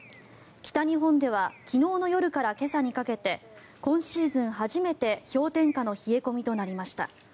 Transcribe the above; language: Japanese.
北日本では昨日の夜から今朝にかけて今シーズン初めて氷点下の冷え込みとなりました。